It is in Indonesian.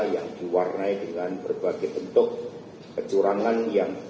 yang diwarnai dengan berbagai bentuk kecurangan yang